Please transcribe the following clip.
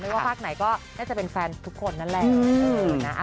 ว่าภาคไหนก็น่าจะเป็นแฟนทุกคนนั่นแหละ